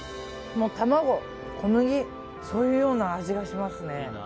卵、小麦そういうような味がしますね。